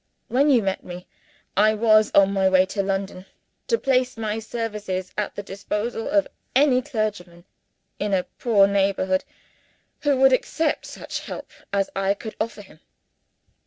When you met me, I was on my way to London, to place my services at the disposal of any clergyman, in a poor neighborhood, who would accept such help as I can offer him."